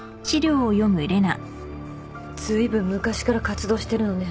ずいぶん昔から活動してるのね。